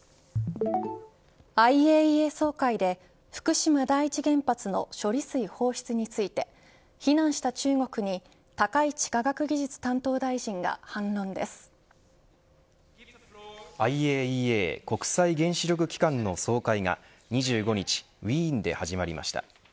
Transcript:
ＩＡＥＡ総会で福島第一原発の処理水放出について非難した中国に高市科学技術担当大臣がＩＡＥＡ＝国際原子力機関の総会が２５日ウィーンで始まりました。